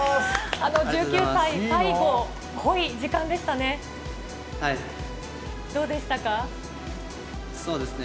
１９歳、最後、濃い時間でしたね。